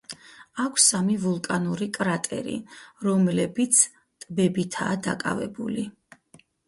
აქვს სამი ვულკანური კრატერი, რომლებიც ტბებითაა დაკავებული.